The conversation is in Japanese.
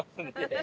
え！